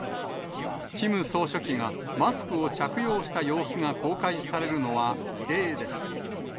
キム総書記がマスクを着用した様子が公開されるのは異例です。